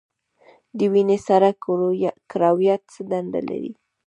د وینې سره کرویات څه دنده لري؟